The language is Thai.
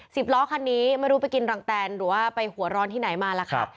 สิบล้อคันนี้ไม่รู้ไปกินรังแตนหรือว่าไปหัวร้อนที่ไหนมาล่ะค่ะ